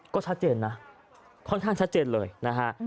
ก็ชัดเจนนะค่อนข้างชัดเจนเลยนะฮะ